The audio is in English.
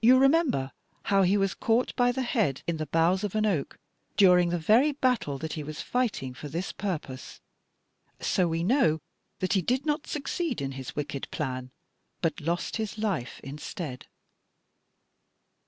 You remember how he was caught by the head in the boughs of an oak during the very battle that he was fighting for this purpose; so we know that he did not succeed in his wicked plan, but lost his life instead.